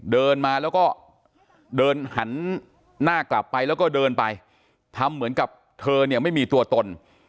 เดินมาแล้วก็เดินหันหน้ากลับไปแล้วก็เดินไปทำเหมือนกับเธอเนี่ยไม่มีตัวตน